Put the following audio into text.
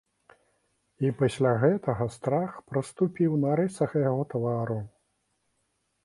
І пасля гэтага страх праступіў на рысах яго твару.